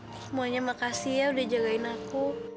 semuanya makasih ya udah jagain aku